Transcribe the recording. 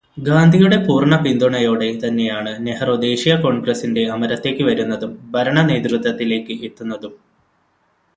ഗാന്ധിയുടെ പൂര്ണപിന്തുണയോടെ തന്നെയാണു നെഹ്രു ദേശീയ കോണ്ഗ്രസിന്റെ അമരത്തേക്കു വരുന്നതും ഭരണ നേതൃത്വത്തിലേക്ക് എത്തുന്നതും.